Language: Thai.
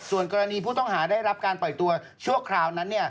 ส่วนกรณีผู้ต้องหาได้รับการปล่อยตัวชั่วคราวนั้น